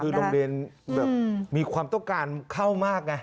คือโรงเรียนแบบมีความต้องการเข้ามากไง